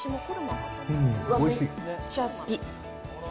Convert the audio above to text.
めっちゃ好き。